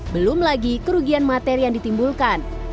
belum lagi kerugian materi yang ditimbulkan